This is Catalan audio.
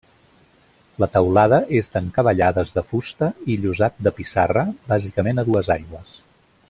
La teulada és d'encavallades de fusta i llosat de pissarra, bàsicament a dues aigües.